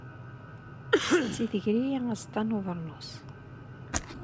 Setti tger-iyi aẓeṭṭa n ubernus.